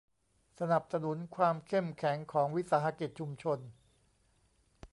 สนับสนุนความเข้มแข็งของวิสาหกิจชุมชน